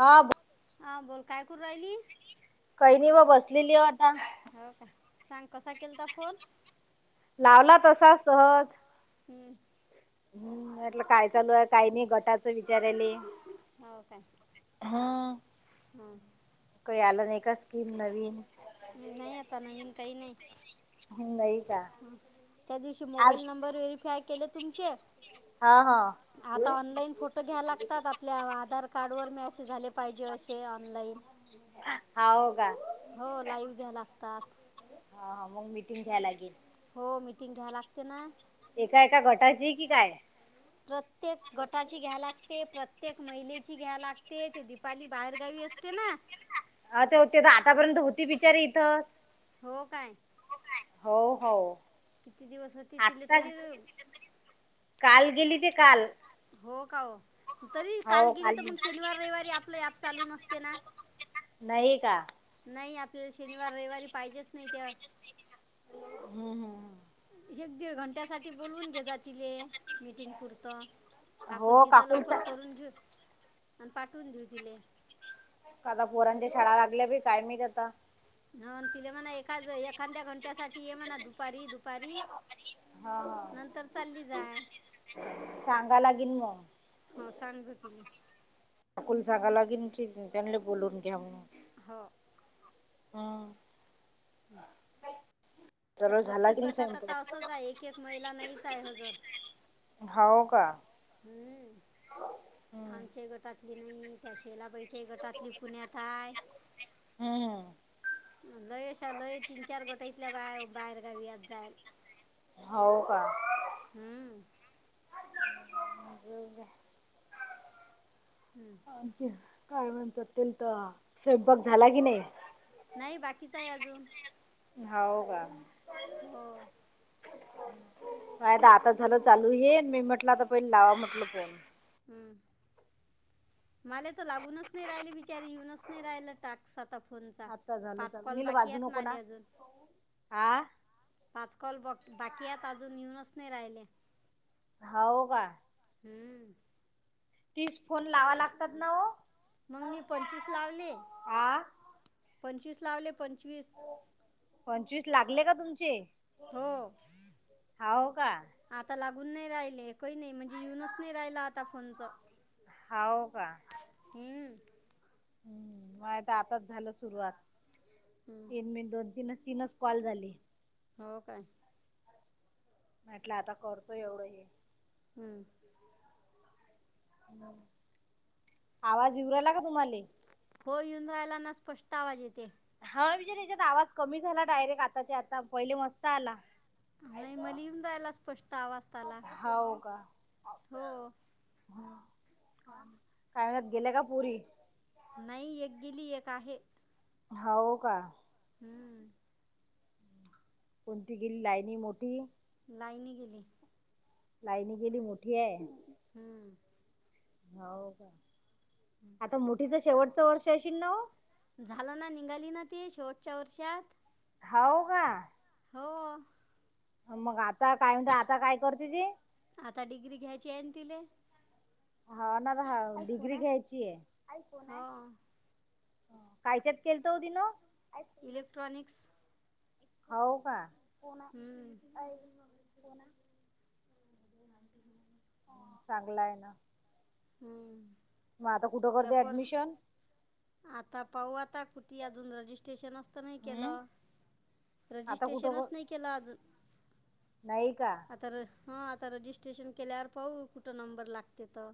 हा ब हां बोल काय करू राहिली. काही नाही व बसलेली हो आता हो काय सांग कसा केला ता फोन लावला तसा सहज [unintelligible] हम्म म्हटलं काय चालू ये काय नाय गटाचं विचारायले. हो काय हं हा कय आल नाही आता नवीन काई नाय. नाही का त्या दिवशी मोबाईल आज नंबर व्हेरीफाय केले तुमचे हा हा आता ऑनलाईन फोटो घ्या लागतात आपल्या आधार कार्ड वर मॅच झाले पाहिजे असे ऑनलाईन एक [inaudible] ह [unintelligible] हो लाईव्ह घ्या लागतात. ह मग मिटिंग घ्याय लागली. हो मीटिंग घ्याय लागते ना काय का [unintelligible] प्रत्येक गटाची घ्या लागते प्रत. प्रत्येक महिलेची घ्या लागते ते दिपाली बाहेर गावी असते ना. अ ते होते त आतापर्यंत होती बिचारी इथं हो काय. हो हो. किती दिवस होती तिला आतास तरी काल गेली ते काल हो का ओ तरी काल गेली तर मग शनिवार रविवारी आपलं ऍप चालू नसते ना. नाही का. नाई आपल्याला शनिवार रयवारी पाहिजेच नाय त्य हम्म हम्म हम्म. एक दीड घंट्यासाठी बोलवून घे जातील ये मीटिंग पुरतं. आपण हो तिचं लवकर काकूल करून घेऊ आणि पाठवून देेऊ तिले का आता पोरांच्या शाळा लागल्या बाई काय माईत आता ह तिला म्हणा एखाद एखाद्या घंट्या साठी ये म्हणा दुपारी दुपारी हा नंतर चालली हा जाय सांगा लागेल म सांजतिनीं सांगा की लागीन मिटिंग [unintelligible] त्यांणला बोलून घ्या म्हणून हो. हा. हं त झाला प्रत्येक की नाही गटात आता स्वयंपाक असच आहे एक महिलाना ही काय हजर हाव का. हम्म हम्म. आमचे गटातली नई त्या शेला बाई चे गटातली पुण्यात हाय. हं हम्म. लयशा लय तीन चार गट इथल्या बा बाहेरगावी यात जाईल. हाव का म [inaudible] हम्म. काय म्हणतात तेल तर स्वयंपाक झाला कि नाही? नाही बाकीच आहे अजून होव का? हो काय त आता झालं चालू हे मी म्हटलं आता पहिले लावा म्हटल फोन. हम्म. मला तर लागूनच नाही राहिले बिचारी येऊनच नाही राहिला टास्क आता. फोनचा आता झाल पाच चालू कॉल नील बाकी वाजू आहेत नको माले ना अजून हा पाच कॉल बाकीयात अजून येऊनच नाही राहिले. होव का. हम्म. तीस फोन लावा लागतात ना हो मग मी पंचवीस लावले हा पंचवीस लावले. पंचवीस पंचवीस लागले का तुमचे? हो हाऊ का. कुण नाय राहिले कय नाय म्हणजे येऊनच नाय राहिला आता फोनच. हाव का. हम्म माया त आताच झालं सुरुवात हम्म इन मी दोन तीनच तीनच कॉल झाली. हो काय. म्हटलं आता करतोय एवढं हे हम्म आवाज येऊ राहिला का तुम्हाले हो येऊन राहिला ना स्पष्ट आवाज येते. हा विज त्याच्यात आवाज कमी झाला डायरेक्ट आताच्या आता पहिले मस्त आला. नाही मला येऊन राहिला स्पष्ट आवाज त्याला. हाव हो शाळेत गेल्या का पोरी? नाही एक गेली एक आहे. होव का? हम्म कोणती गेली लहानी मोठी? काहिनी गेली लाहानी केली मोठी आहे. हम्म हो का आता मोठीच शेवटचं वर्ष असशील ना व झालं ना निघाली ना ती शेवटच्या वर्षात. होऊ का? हो मग आता काय म्हणत आता काय करते ती? आता डिग्री घ्यायची आहे ना तिले हो ना तर डिग्री घ्यायची आहे हो काय केल होत हो तिने? इलेक्ट्रॉनिक्स हाऊ का? हम्म चांगल आहे ना. हम्म मग आता कुठं करते त्यापर ऍडमिशन? आता पाहू आता किती अजून रजिस्ट्रेशन अस नाही हम्म केलं आता कुठं कर रजिस्ट्रेशनच नाही केलं अजून. नाही का? हा आता रजिस्ट्रेशन केल्यावर पाहू कुठं नंबर लागते त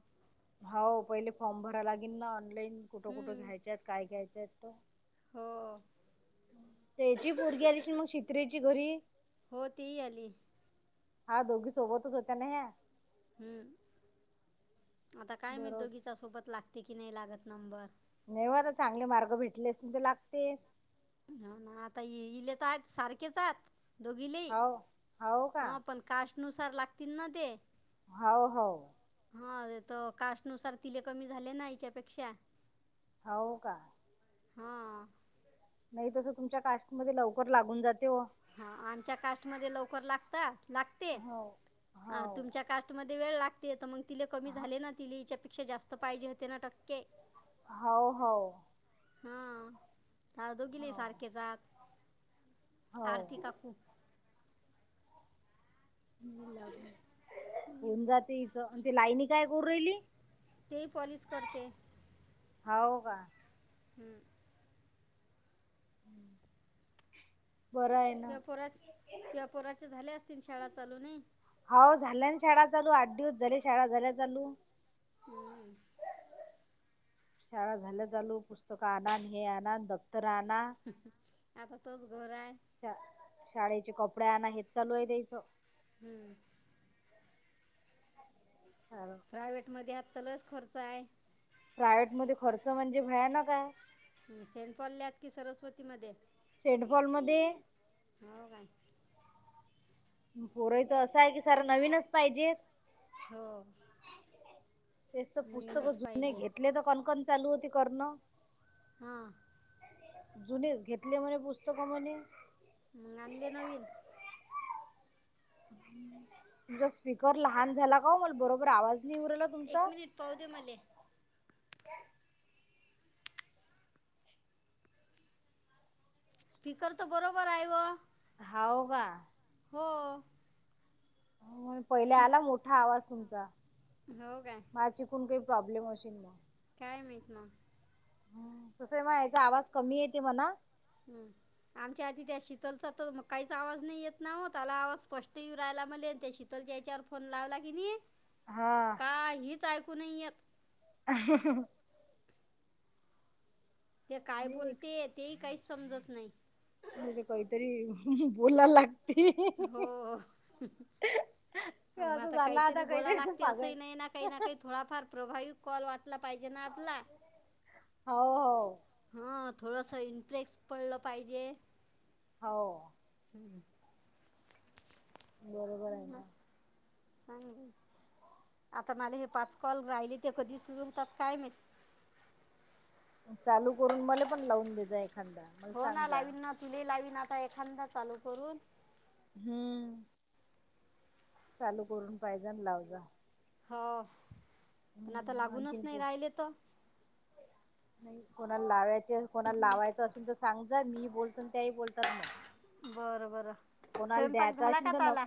हाऊ पहिले फॉर्म भरा लागेन ना. पेन कुठं कुठं हं, घ्यायच्या आहेत काय घ्यायच्या आहेत तो हो त्येची पोरगी आलीश मग शित्रेची घरी ती आली हा दोघी सोबतच होत्या ना ह्या हम्म आता काय माहीत बरोबर दोघीचा सोबत लागते कि नाही लागत नंबर नाहीेव आता चांगले मार्ग भेटले असते तर लागते हो ना आता इले तर आहेत सारखेचात दोघीलेही हो हो का हा पण कास्टनुसार लागतील ना ते हाऊ हाऊ हा तो कास्टनुसार तिले कमी झाले ना याच्यापेक्षा होउ का हा नाही तस तुमच्या कास्टमध्ये‌लवकर लागून जाते ओ हा आमच्या कास्टमध्ये लवकर लागतात लागते हो हो ह तुमच्या कास्टध्ये वेळ लागते तर मग तिले कमी झाले ना ति याच्यापेक्षा जास्त पाहिजे होते ना टक्के हो हो हा द दोघीले हो सारखे जात आरती हो काकु होऊन जाते इथ आणि ती लाईनी काय कर राहिली ते पॉलीस करते हो का हम्म हम्म त्ये पोराचं तोया पोराचे झाले असतील शाळा चालू नई जरी शाळा झाल्या चालू हम्म शाळा झाल्या चालू पुस्तक आणन हे आणन दप्तर आणा आता तोच घोर आहे शाळेचे कपडेया आण हेच चालू आहे द्यायचं हम्म तेलाचं खर्च आहे प्रायव्हेट मध्ये खर्च म्हणजे भयानाक हाय सेंट पॉलल्यात कि सरस्वती मध्ये शेंडफॉल मध्ये होऊ काय पुरयचं असं आहे की सर नवीनच पाहिजे हो तेच तर पुस्तक नवीनच जुने पाहिजे घेतले तर कणकण चालू होती करण हा जुनीच घेतले म्हणे पुस्तक म्हणे मग आणले नवीन तुझा स्पीकर लहान झाला का ओ मला बरोबर आवाज नाही येऊ राहिला तुमचा. एक मिनिट पाहून दे मले स्पीकर तर बरोबर हाय व होव का हो पहिले आला मोठा आवाज तुमचा हो काय मा चिकून काही प्रॉब्लेम असशी न मग काय मीत ना हम् तसही माया याचा आवाज कमी येते म्हणा हम्म आमच्या आधी त्या शीतलचा तर काहीच आवाज नाही येत ना हो त्याला आवाज स्पष्ट येऊ राहायला म्ह त्या शीतल च्यावर फोन लावला की नाही हा. काहीच ऐकू नाही य अ ते काय आणि बोलते तेही काहीच समजत नाही हे तर काहीतरी बोलायला लाग हो मग असं आता झालं काहीतरी बोला लागते पागल. असंही नाही ना काही ना काही थोडाफार प्रभावी कॉल वाटला पाहिजे आप हो हो ह थोडंसं इन्फ््रेक्स पडलं पाहिजे हो हम्म बरोबर आहे ह ना. सांगी आता माझे हे पाच कॉल राहिले ते कधी सुरू होतात काय म ह चालू करून मला पण लावून दचा एखादा मला हो सांग ना जा लावीन ना तुले लावीन आता एखादा चालू करून हम्म चालू करून पाहिज लाव जा हो पण आता हम्म लागूनच आणखीन नाही को राहिले तर नाही कोणाला लावायचे कोणाला लावायचं असेल तर सांग जा मी बोलतो त्याही बोलतात मग बरं बरं कोणाला स्वयंपाक द्यायचा झाला असेल का तर न त्याला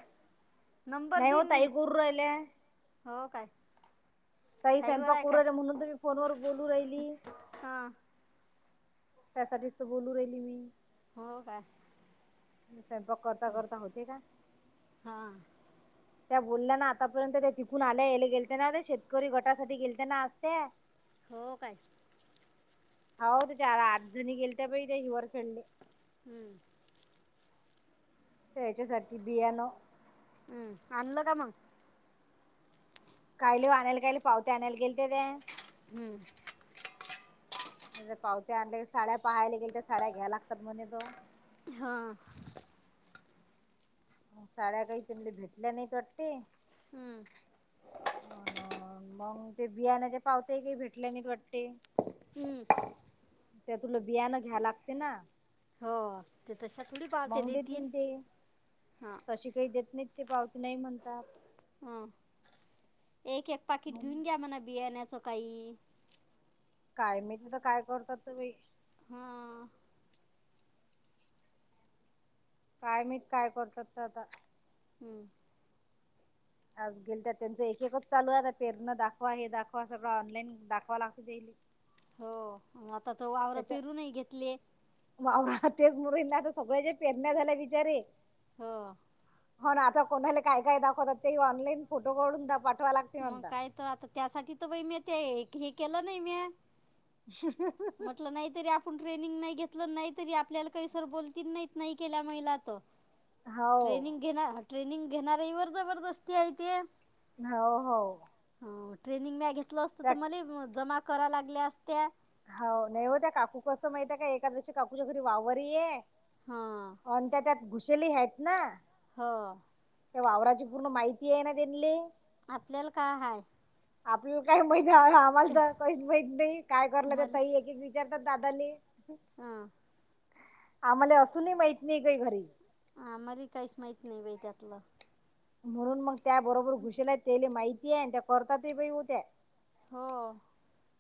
नंबर नाही हो दिन मी ताई करू राहिल्या. हो काय काही ताईवर स्वयंपाक आहे काय उरला म्हणून तही फोनवर बोलू राहिली हां त्यासाचत बोलू राहिली मी हो का स्वयंपाक करता करता होते का हां त्या बोलल्या ना आतापर्यंत त्या तिकून आल्या याले गेलते ना ते शेतकरी गटासाठी गेलतेना असते हो काय हो ते चार अजजुनी गेल त्या पहि ते हिवरर खेळले हम्म तर याच्या सारखी बियाणं हम्म अनल का मग कायलीायला कायले पावते आणायला गेल ते त्या हम्म अरे पावते आणले साड्या पाहायला गेल त्या साड्या घ्या लागतात म्हणे तो हां साड्या काही चुली भेटल्या नाही तटी हं, अन मग ते बियाण्याचे पावतय काी भेटलेय न त वाटते हम्म त्या तुलो बयानो घ्या लागते ना हो ते त सकळी पावते मग ते तीन देतीन तशी काही देत नाहीत ते पावती नाही म्हणतात ह एक एक पाकिट मग घेऊन घ्या म्हणा बियाण्याच काई काय मी तिथं काय करतात तही हा काय मी काय करतात तर आता हम्म गेल तर त्यांच एक एकच चालू आहे पेरनं दाखवा हे दाखवा सगळं ऑनलाईन दाखवा लागतेले हो आता त आवरवर पेरूनही घेतले तेज मुरींना आता [unintelligible] सगळ्या जे पेरण्या झाल्या विचारे हो. हो ना, आता कोणाले काय काय दाखवतात. ते ऑनलाईन फोटो काढून दाप पाठ मग काय तर आता त्यासाठी तर बई मी ते हे हे [unintelligible] केलं न्हय म्या म्हटलं नाही तरी अपुन ट्रेनिंग नाही घेत. टल नाही तरी आपल्याला काही सर बोलतील [unintelligible] न्हईत नही केला बिल तो हो ट्रेनिंग घेना. ट्रेनिंग घेणारीवरी वर जबरदस्ती हाय ते हो हो. ट्रेनिंग म्या घेतलं असतं तर त्या मली जमा करा लागल्या असत्या. हाव नही ओ त्या काकू कसं माहितय, का एखाद्याशी काकूसारखं वावरहीये हां अनं त्या त्यात घुसेली हायत ना, हो. ते वावराची पूर्ण माहितीय ना, त्यानले आपल्याला काय हाय? आपल्याला काय माहित आम्हाला तर काहीच माहित न्हई काय करलं त्या तई एक एक विचारतात दादाली हा आमाले असूनही मइत नई काय घरी आम्हाले काहीच महीत नई बई त्यातलं. म्हणून मग त्या बरोबर घुसेला त्याले माहितीय, आणि त्या कोर्टातल्या बई हुत्या. हो.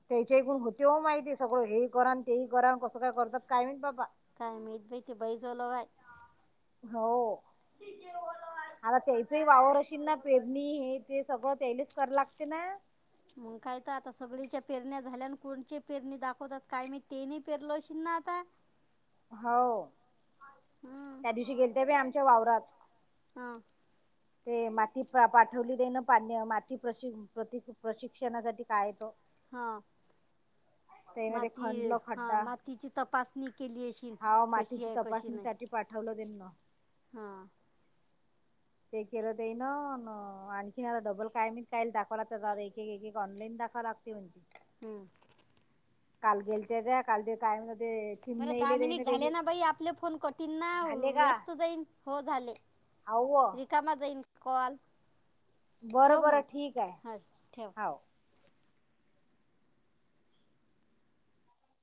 त्याच्या कोण होतियो माहितीय, सगळं हे करान तेही करान, कसं काय करतात काय माहित बाबा काय मईत बई बाई जवलोग हाय. हो आता त्यायची वावर असशील ना, पेरणी हे ते सगळं त्यालेच करा लागती ना, मग काय तर आता सगळीच्या पेरण्या झाल्यान. कोणची पेरणी दाखवतात. काय मी तेनी पेरलोशिन ना, आता हव हं त्या दिवशी गेलते बी आमच्या वावरात. हा. ते माती पाठवली दे न, पान्य माती प्रशिग प्रतीक प्रशिक्षणासाठी काय तो? हा. [unintelligible] त्यामध्ये खंणलं खड्डा मातीची तपासणी केली अशीन हाव कशी मातीची तपासणीसाठी पाठवलं. [unintelligible] हा. ते केलं ते न न आणखीन आता डबल काय नी काय दाखवला एक एक एक ऑनलाईन दव [unintelligible] लागते म्हणती. हम्म. काल गेलतेे ग काल ते काय म्हणत बरं दहा मिनिट झाले ना, बाई आपले फोन कठींना झाले का व्यस्त जाईन हो झाले. हाव रिकामाजइन कॉल. ठेव बरबर मग ठीक हाय हां ठेव हाव.